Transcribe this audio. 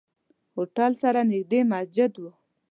هوټل سره نزدې مسجد وو.